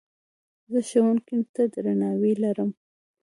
زه ښوونکي ته درناوی لرم.